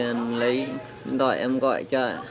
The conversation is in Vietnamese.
điện thoại em gọi cho